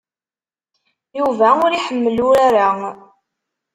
Yuba ur iḥemmel urar-a.